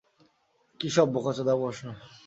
কি সব বোকাচোদা প্রশ্ন!